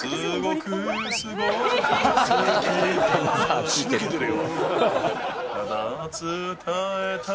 押しのけてるよ。